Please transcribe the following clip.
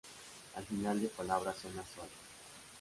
Al final de palabra suena suave.